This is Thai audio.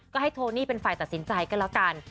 ก็ให้โทนี่เป็นฝ่ายตัดสินใจก็แล้วกัน